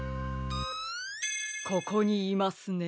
ここにいますね。